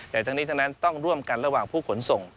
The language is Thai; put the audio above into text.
แต่ทั้งนี้ทั้งนั้นต้องร่วมกันระหว่างผู้ขนส่ง